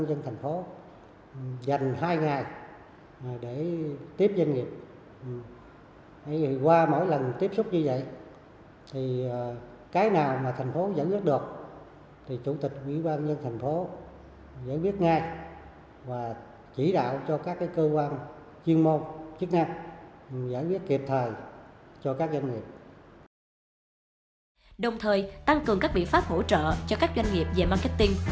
đồng thời tăng cường các biện pháp hỗ trợ cho các doanh nghiệp về marketing